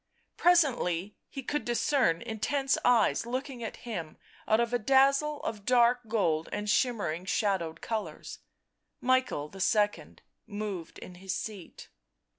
Presently he could discern intense eyes looking at him out of a dazzle of dark gold and shimmering shadowed colours. Michael II. moved in his seat.